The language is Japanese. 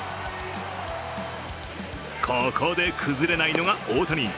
ここで、崩れないのが大谷。